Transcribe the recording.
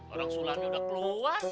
orang sulamnya udah keluar